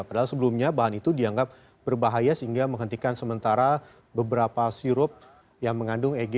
padahal sebelumnya bahan itu dianggap berbahaya sehingga menghentikan sementara beberapa sirup yang mengandung egg